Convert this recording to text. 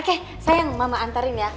oke sayang mama antarin ya